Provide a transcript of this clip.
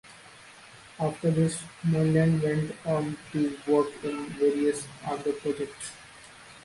After this, Moreland went on to work in various other projects.